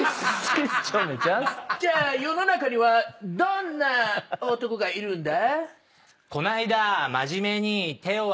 じゃあ世の中にはどんな男がいるんだ？